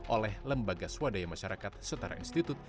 oleh lembaga swadaya masyarakat setara institut